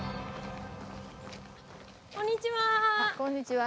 こんにちは。